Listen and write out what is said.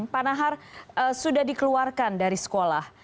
pak nahar sudah dikeluarkan dari sekolah